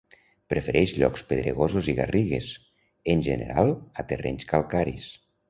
Prefereix llocs pedregosos i garrigues, en general a terrenys calcaris.